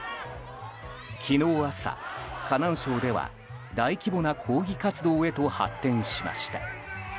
昨日朝、河南省では大規模な抗議活動へと発展しました。